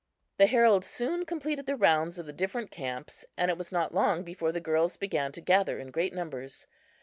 The herald soon completed the rounds of the different camps, and it was not long before the girls began to gather in great numbers.